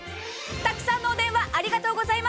たくさんのお電話、ありがとうございます。